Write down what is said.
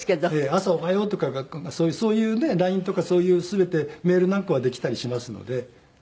朝おはようとかそういうねＬＩＮＥとかそういう全てメールなんかはできたりしますので。